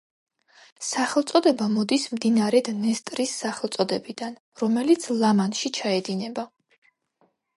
სახელწოდება მოდის მდინარე დნესტრის სახელწოდებიდან, რომელიც ლიმანში ჩაედინება.